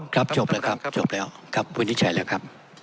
ครับจบแล้วครับวันนี้ใช้แล้วครับ